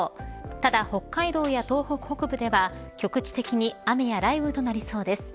ただ北海道や東北北部では局地的に雨や雷雨となりそうです。